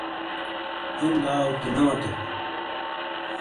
ہِین لاؤ تو نے وتو ؟